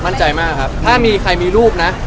มั่นใจมากครับถ้ามีใครมีรูปนะ